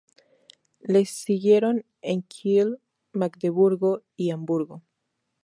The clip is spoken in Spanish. Le siguieron en Kiel, Magdeburgo y Hamburgo.